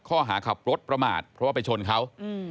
ข้อหาขับรถประมาทเพราะว่าไปชนเขา